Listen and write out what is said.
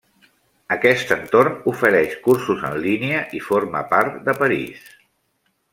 Aquest entorn ofereix cursos en línia i forma part de París.